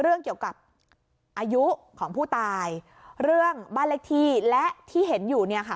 เรื่องเกี่ยวกับอายุของผู้ตายเรื่องบ้านเลขที่และที่เห็นอยู่เนี่ยค่ะ